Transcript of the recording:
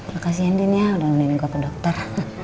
makasih andin ya udah nungguin gua ke dokter